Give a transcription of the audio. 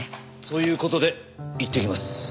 そういう事でいってきます。